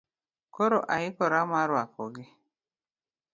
Koro aikora mar rwakogi